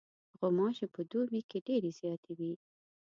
غوماشې په دوبي کې ډېرې زیاتې وي.